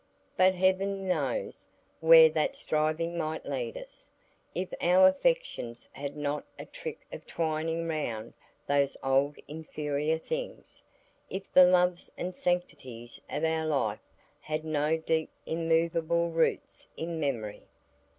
But heaven knows where that striving might lead us, if our affections had not a trick of twining round those old inferior things; if the loves and sanctities of our life had no deep immovable roots in memory.